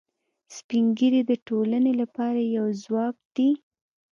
سپین ږیری د ټولنې لپاره یو ځواک دي